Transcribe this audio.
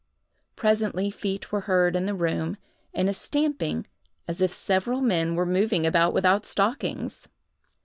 Presently feet were heard in the room, and a stamping as if several men were moving about without stockings.